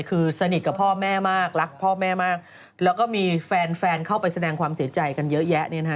คือสนิทกับพ่อแม่มากรักพ่อแม่มากแล้วก็มีแฟนแฟนเข้าไปแสดงความเสียใจกันเยอะแยะเนี่ยนะฮะ